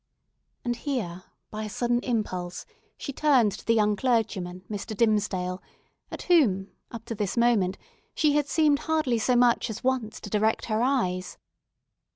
And here by a sudden impulse, she turned to the young clergyman, Mr. Dimmesdale, at whom, up to this moment, she had seemed hardly so much as once to direct her eyes.